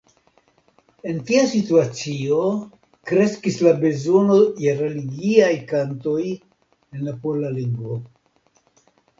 En tia situacio kreskis la bezono je religiaj kantoj en la pola lingvo.